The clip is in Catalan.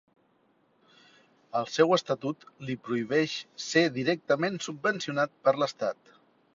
El seu estatut li prohibeix ser directament subvencionat per l'Estat.